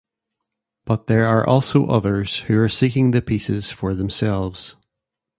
But there are also others who are seeking the pieces for themselves.